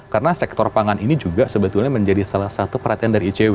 karena sektor pangan ini juga sebetulnya menjadi salah satu perhatian dari icw